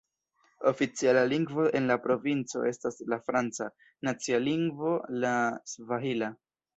Oficiala lingvo en la provinco estas la franca, nacia lingvo la svahila.